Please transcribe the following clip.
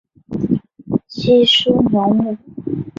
基舒纽姆。